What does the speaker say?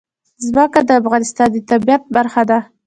ځمکه د افغانستان د طبیعت برخه ده.